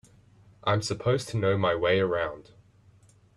I'm supposed to know my way around.